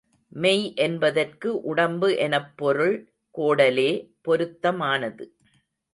மெய் என்பதற்கு உடம்பு எனப் பொருள் கோடலே பொருத்தமானது.